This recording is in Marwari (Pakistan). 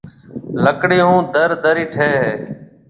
لڪڙِي هون در درِي ٺهيَ هيَ۔